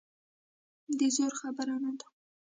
د زور خبره نه ده.